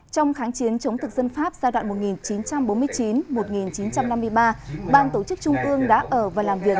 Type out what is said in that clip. trong kháng chiến chống thực dân pháp giai đoạn một nghìn chín trăm bốn mươi chín một nghìn chín trăm năm mươi ba ban tổ chức trung ương đã ở và làm việc